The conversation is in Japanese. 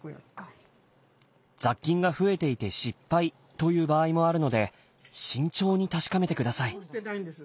雑菌が増えていて失敗という場合もあるので慎重に確かめてください。